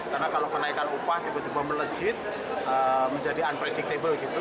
karena kalau kenaikan upah tiba tiba melejit menjadi unpredictable gitu